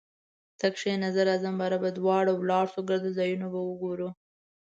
ته کښینه زه راځم باره به دواړه ولاړسو ګرده ځایونه به وګورو